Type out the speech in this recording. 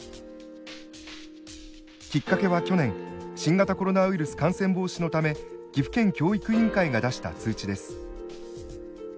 きっかけは去年新型コロナウイルス感染防止のため岐阜県教育委員会が出した通知です。